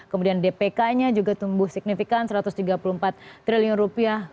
kemudian dpk nya juga tumbuh signifikan satu ratus tiga puluh empat triliun rupiah